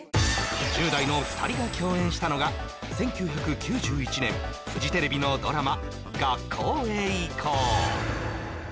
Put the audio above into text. １０代の２人が共演したのが１９９１年フジテレビのドラマ「学校へ行こう！」